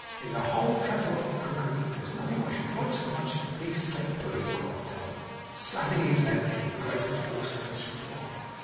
'In the whole catalogue of cookery, there is nothing I should like so much as a beef steak pudding!' cried Tom, slapping his leg to give the greater force to this reply.